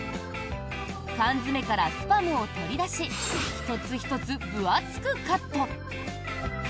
缶詰からスパムを取り出し１つ１つ分厚くカット。